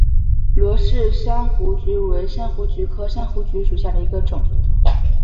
罗氏菊珊瑚为菊珊瑚科菊珊瑚属下的一个种。